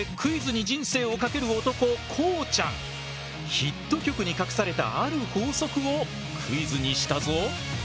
ヒット曲に隠されたある法則をクイズにしたぞ。